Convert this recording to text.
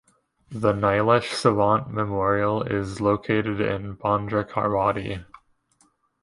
The Nilesh Sawant Memorial is located in Bandrekarwadi.